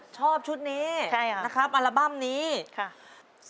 ชอบชุดนี้นะครับอัลบั้มนี้ค่ะใช่เหรอค่ะ